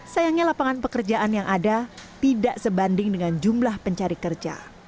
sayangnya lapangan pekerjaan yang ada tidak sebanding dengan jumlah pencari kerja